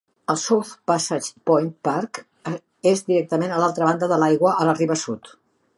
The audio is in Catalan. El South Passage Point Park és directament a l'altra banda de l'aigua, a la riba sud.